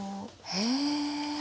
へえ！